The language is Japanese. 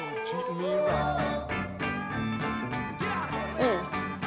うん。